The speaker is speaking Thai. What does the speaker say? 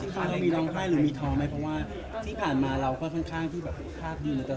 จริงแล้วมีร้องไห้หรือมีท้องไหมเพราะว่าที่ผ่านมาเราก็ข้างที่แบบข้ากยืนแล้วเจอ